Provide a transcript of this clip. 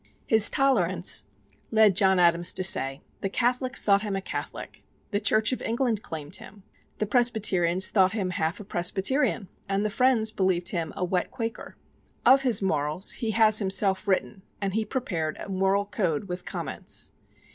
His tolerance led John Adams to say: "The Catholics thought him a Catholic. The Church of England claimed him. The Presbyterians thought him half a Presbyterian, and Friends believed him a wet Quaker." Of his morals he has himself written, and he prepared a moral code with comments.